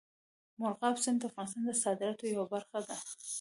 مورغاب سیند د افغانستان د صادراتو یوه برخه ده.